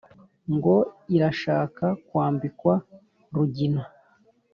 Ngo irashaka kwambikwa Rugina*.